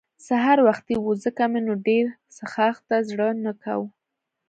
سهار وختي وو ځکه مې نو ډېر څښاک ته زړه نه کاوه.